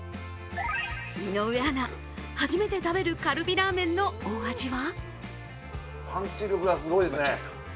井上アナ、初めて食べるカルビラーメンのお味は？